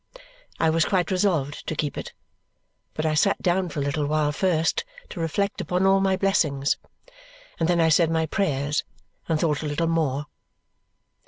I was quite resolved to keep it, but I sat down for a little while first to reflect upon all my blessings. And then I said my prayers and thought a little more.